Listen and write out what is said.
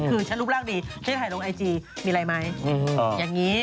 คือฉันรูปร่างดีฉันถ่ายลงไอจีมีอะไรไหมอย่างนี้